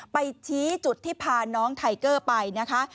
ไปชี้จุดที่พาน้องไทเกอร์ไปนะคะ